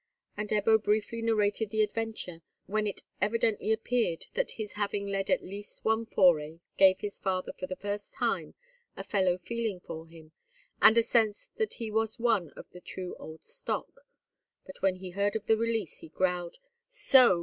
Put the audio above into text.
And Ebbo briefly narrated the adventure, when it evidently appeared that his having led at least one foray gave his father for the first time a fellow feeling for him, and a sense that he was one of the true old stock; but, when he heard of the release, he growled, "So!